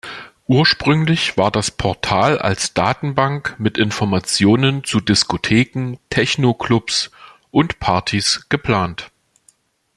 Ursprünglich war das Portal als Datenbank mit Informationen zu Diskotheken, Techno-Clubs und Partys geplant.